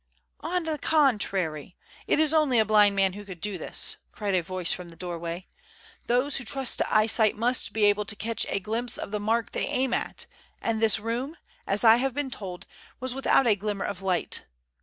"On the contrary, it is only a blind man who could do this," cried a voice from the doorway. "Those who trust to eyesight must be able to catch a glimpse of the mark they aim at, and this room, as I have been told, was without a glimmer of light.